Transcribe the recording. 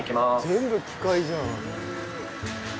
全部機械じゃん。